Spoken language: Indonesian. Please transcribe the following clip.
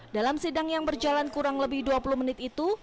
dalam sidang yang berjalan kurang lebih dua puluh menit itu